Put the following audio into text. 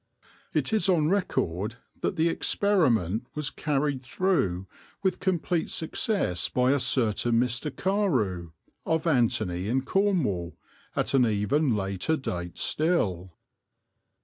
It is on record that the experiment was carried through with complete success by a certain Mr. Carew, of Anthony, in Cornwall, at an even later date still.